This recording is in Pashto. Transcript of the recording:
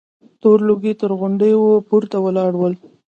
تور لوګي تر غونډيو پورته ولاړ ول.